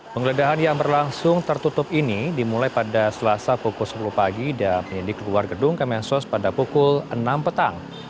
penggeledahan yang berlangsung tertutup ini dimulai pada selasa pukul sepuluh pagi dan penyidik keluar gedung kemensos pada pukul enam petang